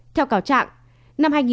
theo cáo trạng